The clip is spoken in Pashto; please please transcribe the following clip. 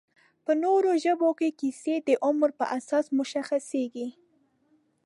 په نورو ژبو کې کیسې د عمر په اساس مشخصېږي